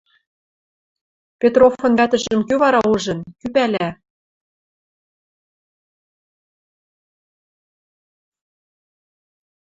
Петровын вӓтӹжӹм кӱ вара ужын, кӱ пӓлӓ?